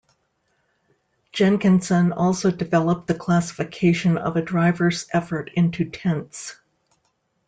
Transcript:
Jenkinson also developed the classification of a driver's effort into "tenths".